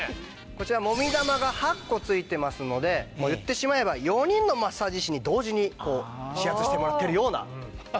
こちらモミ玉が８個ついてますので言ってしまえば４人のマッサージ師に同時に指圧してもらっているような。